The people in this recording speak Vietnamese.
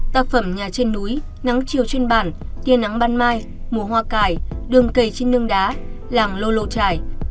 tác phẩm nhà trên núi nắng chiều trên bản tiên nắng ban mai mùa hoa cải đường cầy trên nương đá làng lô lô trải